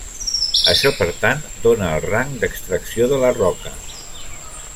Això per tant dóna el rang d'extracció de la roca.